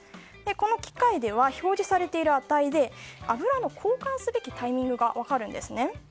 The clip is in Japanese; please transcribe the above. この機械では表示されている値で油の交換すべきタイミングが分かるんですね。